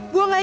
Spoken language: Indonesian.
gue nggak ya